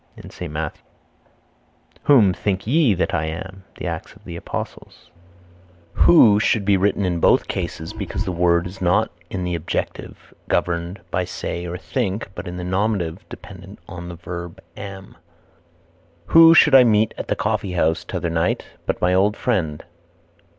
St. Matthew. Whom think ye that I am? Acts of the Apostles. Who should be written in both cases because the word is not in the objective governed by say or think, but in the nominative dependent on the verb am. "Who should I meet at the coffee house t'other night, but my old friend?"